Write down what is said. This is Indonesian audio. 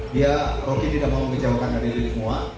dia roke tidak mau mengejauhkan diri dari semua